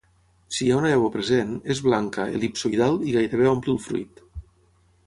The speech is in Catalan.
Si hi ha una llavor present, és blanca, el·lipsoïdal, i gairebé omple el fruit.